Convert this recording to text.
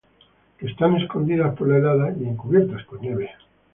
Que están escondidas por la helada, Y encubiertas con nieve;